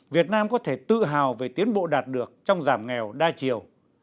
việt nam có thể tự hào về tiến bộ đạt được trong giảm nghèo đa chiều